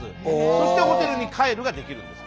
そしてホテルに帰るができるんです。